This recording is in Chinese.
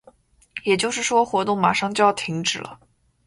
也就是说，活动马上就要停止了。